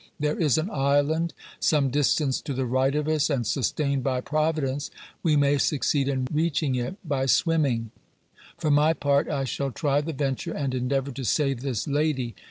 There is an island some distance to the right of us, and, sustained by Providence, we may succeed in reaching it by swimming. For my part, I shall try the venture and endeavor to save this lady.